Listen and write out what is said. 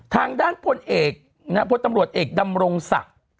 ทางด้านผลเอกพวกตำรวจเอกดำรงสัก